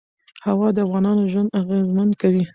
هوا د افغانانو ژوند اغېزمن کوي.